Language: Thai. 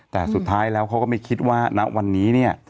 แต่สุดท้ายแล้วเขาก็ไม่คิดว่าณวันนี้เนี่ย